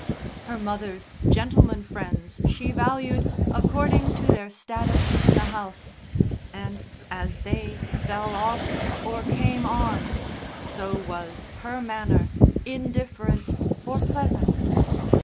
Her mother's gentlemen friends she valued according to their status in the house, and, as they "fell off" or "came on," so was her manner indifferent or pleasant.